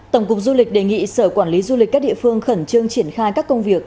tổng cục du lịch đề nghị sở quản lý du lịch các địa phương khẩn trương triển khai các công việc